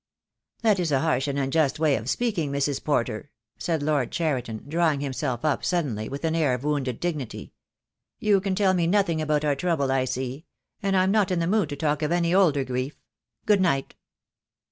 "That is a harsh and unjust way of speaking, Mrs. Porter," said Lord Cheriton, drawing himself up suddenly with an air of wounded dignity. "You can tell me no thing about our trouble, I see; and I am not in the mood to talk of any older grief. Good night."